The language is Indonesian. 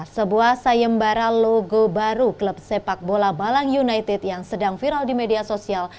sebuah sayembara logo baru klub sepak bola malang united yang sedang viral di media sosial